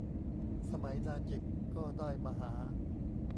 สมัยนาจิบก็ได้มหา